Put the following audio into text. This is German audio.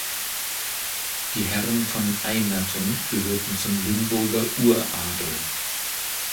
Die Herren von Eynatten gehörten zum Limburger Uradel.